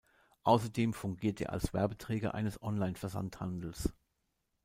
Außerdem fungiert er als Werbeträger eines Online-Versandhandels.